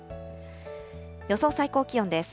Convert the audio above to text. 予想最高気温です。